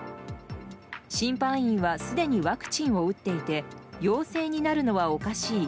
審判員はすでにワクチンを打っていて陽性になるのはおかしい。